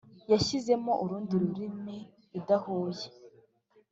yashyizemo urundi rurimi idahuye -